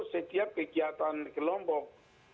setiap kegiatan kelompok